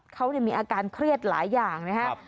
เขามีอาการเครียดหลายอย่างนะครับ